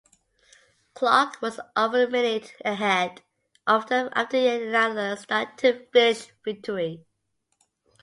Clark was over a minute ahead of them after yet another start-to-finish victory.